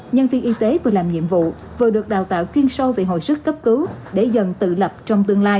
nhân viên y tế vừa làm nhiệm vụ vừa được đào tạo chuyên sâu về hồi sức cấp cứu để dần tự lập trong tương lai